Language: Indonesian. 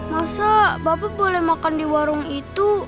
masa bapak boleh makan di warung itu